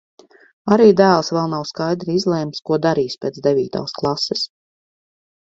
Arī dēls vēl nav skaidri izlēmis, ko darīs pēc devītās klases.